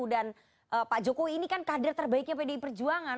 dan pak jokowi ini kan kadir terbaiknya pdi perjuangan